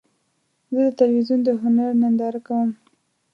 زه د تلویزیون د هنر ننداره کوم.